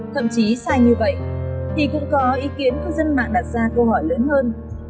thậm chí sai như vậy thì cũng có ý kiến cư dân mạng đặt ra câu hỏi lớn hơn